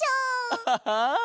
アハハ。